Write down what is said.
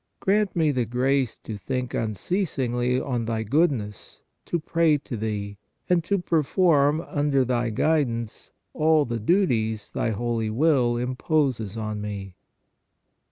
Grant me the grace to think unceasingly on Thy goodness, to pray to Thee, and to perform, under Thy guidance all the duties Thy holy will imposes on me.